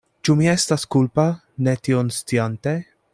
Ĉu mi estas kulpa, ne tion sciante?